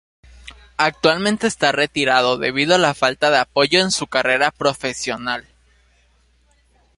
Actualmente está retirado, debido a la falta de apoyo en su carrera profesional.